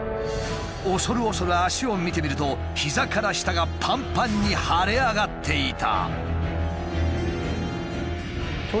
恐る恐る脚を見てみると膝から下がパンパンに腫れ上がっていた。